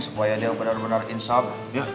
supaya dia benar benar insya allah ya